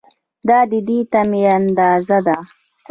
دا د دې تمې اندازه ده.